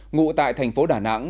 ngụ tại thành phố đà nẵng